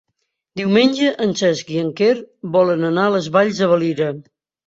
Diumenge en Cesc i en Quer volen anar a les Valls de Valira.